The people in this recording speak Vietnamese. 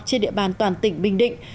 trên địa bàn toàn tỉnh bình định